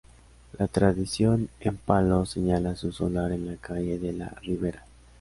La tradición en Palos señala su solar en la calle de la Ribera.